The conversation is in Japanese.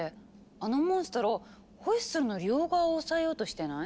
あのモンストロホイッスルの両側を押さえようとしてない？